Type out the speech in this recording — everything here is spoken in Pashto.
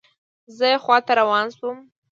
زه یې خواته روان شوم.